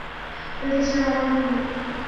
ভেবেছিলাম আমরা বন্ধু।